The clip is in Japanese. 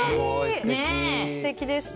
すてきでした。